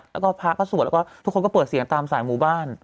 แล้วก็พระก็สวดแล้วก็ทุกคนก็เปิดเสียงตามสายหมู่บ้าน